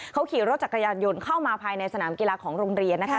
เขาขี่รถจักรยานยนต์เข้ามาภายในสนามกีฬาของโรงเรียนนะคะ